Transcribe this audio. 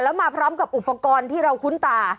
แล้วมาพร้อมกับอุปกรณ์ที่เราคุ้นตา